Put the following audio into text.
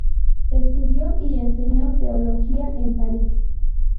Estudió y enseñó Teología en París.